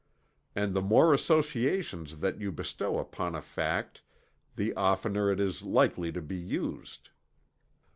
And the more associations that you bestow upon a fact, the oftener is it likely to be used.